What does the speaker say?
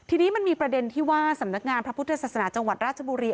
ทีนี้มันมีประเด็นที่ว่าสำนักงานพระพุทธศาสนาจังหวัดราชบุรี